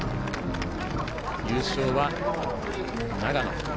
優勝は長野。